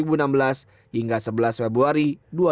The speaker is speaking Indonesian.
otober dua ribu enam belas hingga sebelas februari dua ribu tujuh belas